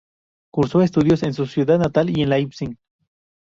Cursó estudios en su ciudad natal y en Leipzig.